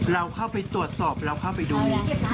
เราเข้าไปตรวจสอบเราเข้าไปดู